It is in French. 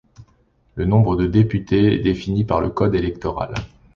Le nombre de députés est défini par le code électoral.